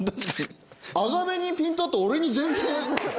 アガベにピント合って俺に全然。